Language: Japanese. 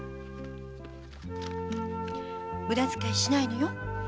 無駄づかいしないのよ。